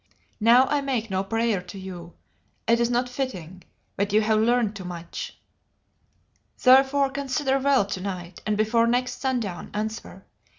Now I make no prayer to you; it is not fitting, but you have learned too much. "Therefore, consider well to night and before next sundown answer.